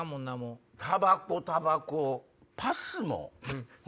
たばこたばこパスモ？